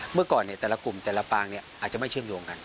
เมื่อก่อนแต่ละกลุ่มแต่ละปางอาจจะไม่เชื่อมโยงกัน